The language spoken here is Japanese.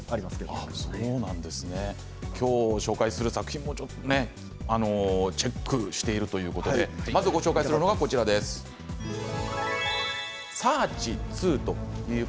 今日、ご紹介する作品もチェックしているということでまずご紹介するのは「ｓｅａｒｃｈ／＃サーチ２」。